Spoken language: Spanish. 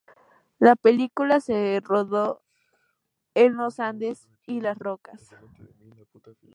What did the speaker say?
La película se rodó en los Andes y las Rocosas.